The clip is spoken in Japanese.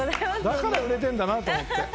だから売れてんだと思って。